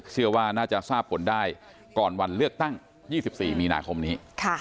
เชื่อว่าน่าจะทราบผลได้ก่อนวันเลือกตั้ง๒๔มีนาคมนี้